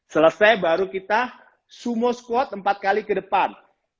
selesai baru kita sumo squad empat kali ke depan